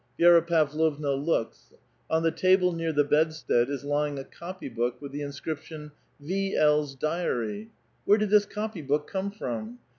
" Vi^ra Pavlovna looks ; on the table near the bedstead is lying a copy book with the inscription, "V. L.'s Diary." ^^iiere did this copy book come from?